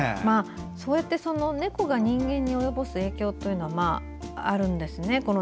そうやって猫が人間に及ぼす影響があるんですね。